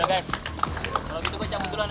kalau gitu gue cabut dulu ane